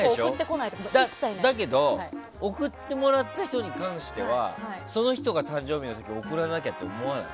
だけど送ってもらった人に関してはその人が誕生日の時に送らなきゃって思わない？